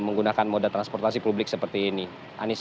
menggunakan moda transportasi publik seperti ini